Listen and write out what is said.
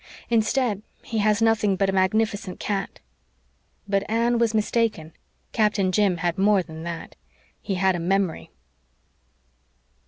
Instead, he has nothing but a magnificent cat." But Anne was mistaken. Captain Jim had more than that. He had a memory.